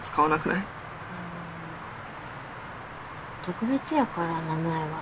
特別やから名前は。